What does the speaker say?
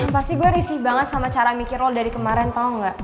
pasti gue risih banget sama cara mikir lo dari kemarin tau gak